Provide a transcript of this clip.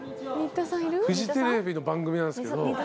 フジテレビの番組なんですけど。